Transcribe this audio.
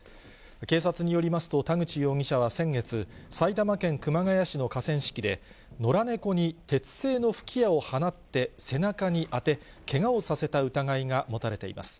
警察によりますと、田口容疑者は先月、埼玉県熊谷市の河川敷で、野良猫に鉄製の吹き矢を放って背中に当て、けがをさせた疑いが持たれています。